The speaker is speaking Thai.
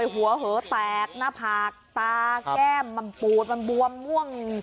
หัวเหอะแตกหน้าผากตาแก้มมันปูดมันบวมม่วง